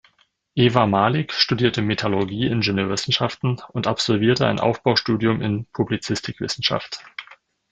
Ewa Malik studierte Metallurgie-Ingenieurwissenschaften und absolvierte ein Aufbaustudium in Publizistikwissenschaft.